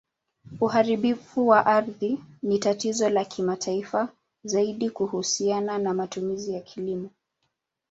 Uharibifu wa ardhi ni tatizo la kimataifa, zaidi kuhusiana na matumizi ya kilimo.